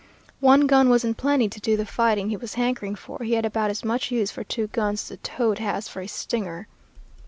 One gun wasn't plenty to do the fighting he was hankering for; he had about as much use for two guns as a toad has for a stinger.